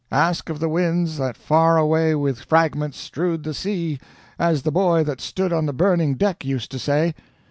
Ask of the winds that far away with fragments strewed the sea, as the boy that stood on the burning deck used to say.